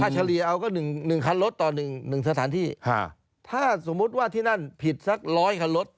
เฉลี่ยเอาก็หนึ่งหนึ่งคันรถต่อหนึ่งหนึ่งสถานที่ถ้าสมมุติว่าที่นั่นผิดสักร้อยคันรถ